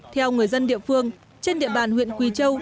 theo người dân địa phương trên địa bàn huyện quỳ châu